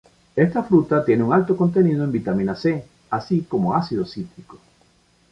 Esta fruta tiene un alto contenido en vitamina C, así como ácido cítrico.